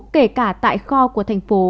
kể cả tại kho của thành phố